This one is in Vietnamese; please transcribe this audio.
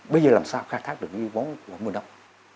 bây giờ làm sao khai thác được cái yếu bóng của mơ nông